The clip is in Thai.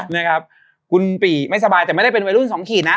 นี่ครับคุณปี่ไม่สบายแต่ไม่ได้เป็นวัยรุ่นสองขีดนะ